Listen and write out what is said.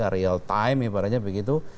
real time ibaratnya begitu